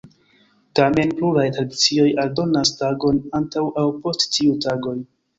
Tamen, pluraj tradicioj aldonas tagon antaŭ aŭ post tiuj tagoj.